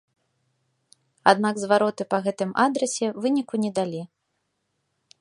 Аднак звароты па гэтым адрасе выніку не далі.